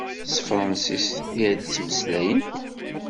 S tefṛansist i ad ttmeslayent?